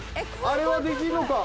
あれはできるのか？